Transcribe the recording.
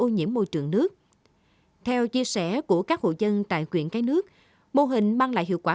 ô nhiễm môi trường nước theo chia sẻ của các hộ dân tại quyện cái nước mô hình mang lại hiệu quả